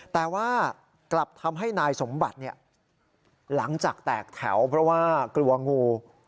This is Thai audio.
แต่ว่ากลับทำให้นายสมบัติหลังจากแตกแถวเพราะว่ากลัวงู